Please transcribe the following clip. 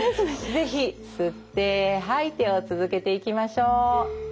是非吸って吐いてを続けていきましょう。